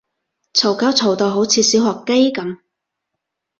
嘈交嘈到好似小學雞噉